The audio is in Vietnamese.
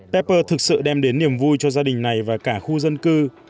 pepper thực sự đem đến niềm vui cho gia đình này và cả khu dân tộc này